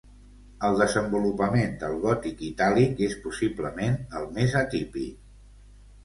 El desenvolupament del gòtic itàlic és possiblement el més atípic.